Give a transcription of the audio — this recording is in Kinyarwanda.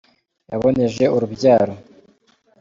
yaboneje urubyaro